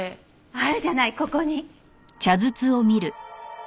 あるじゃないここに。